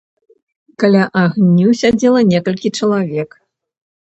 Каля агню сядзела некалькі чалавек.